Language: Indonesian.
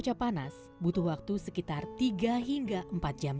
tapi saya belum bisa menyampaikan